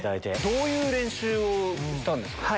どういう練習をしたんですか？